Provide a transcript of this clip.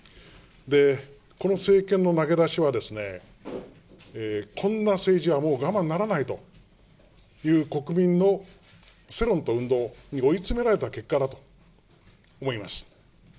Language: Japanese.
この政権の投げ出しは、こんな政治はもう我慢ならないという国民の世論と運動に追い詰められた結果だと思います。